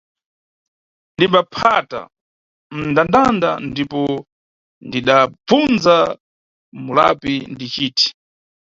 Ndidaphata m, ndandanda ndipo ndidabvunza mulapi ndiciti.